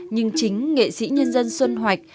nhưng chính nghệ sĩ nhân dân xuân hoạch